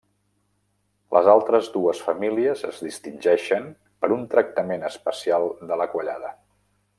Les altres dues famílies es distingeixen per un tractament especial de la quallada.